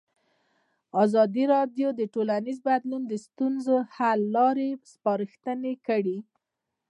ازادي راډیو د ټولنیز بدلون د ستونزو حل لارې سپارښتنې کړي.